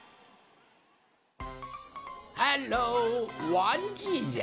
わんじいじゃ。